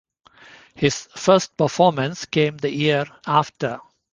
His first performance came the year after.